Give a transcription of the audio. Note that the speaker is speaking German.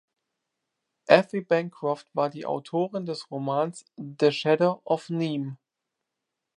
Effie Bancroft war die Autorin des Romans "The Shadow of Neeme".